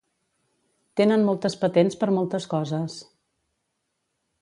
Tenen moltes patents per moltes coses.